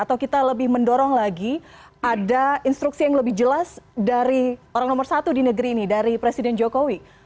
atau kita lebih mendorong lagi ada instruksi yang lebih jelas dari orang nomor satu di negeri ini dari presiden jokowi